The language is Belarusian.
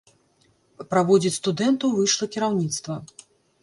Праводзіць студэнтаў выйшла кіраўніцтва.